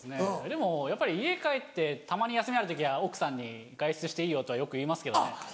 でもやっぱり家帰ってたまに休みある時は奥さんに「外出していいよ」とはよく言いますけどね。